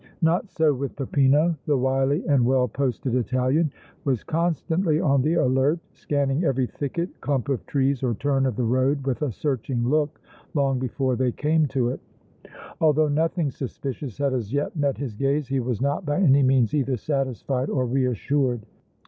Not so with Peppino; the wily and well posted Italian was constantly on the alert, scanning every thicket, clump of trees or turn of the road with a searching look long before they came to it; although nothing suspicious had as yet met his gaze, he was not by any means either satisfied or reassured.